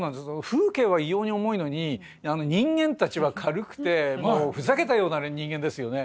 風景は異様に重いのに人間たちは軽くてもうふざけたような人間ですよね。